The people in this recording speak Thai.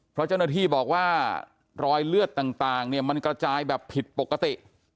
เพราะเจ้าหน้าที่บอกว่ารอยเลือดต่างเนี่ยมันกระจายแบบผิดปกติ